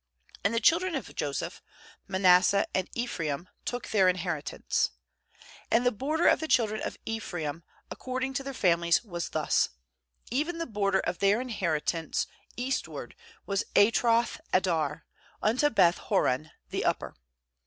4And the children of Joseph, Ma nasseh and Ephraim, took their in heritance. 5And the border of the children of Ephraim according to their families was thus; even the border of their inheritance eastward wa's Atroth addar, unto Beth horon the up per.